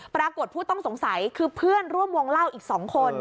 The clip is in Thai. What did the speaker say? ปรากฏผู้ต้องสงสัยคือเพื่อนร่วมวงเล่าอีก๒คน